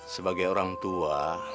sebagai orang tua